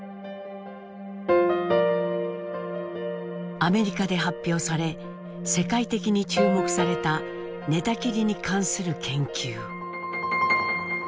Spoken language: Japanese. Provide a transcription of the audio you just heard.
アメリカで発表され世界的に注目された寝たきりに関する研究。